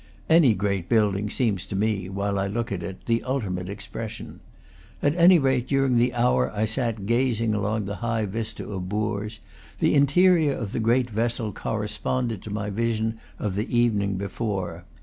Any great building seems to me, while I look at it, the ultimate expression. At any rate, during the hour that I sat gazing along the high vista of Bourges, the interior of the great vessel corresponded to my vision of the evening before.